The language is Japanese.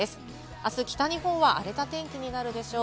あす北日本は荒れた天気になるでしょう。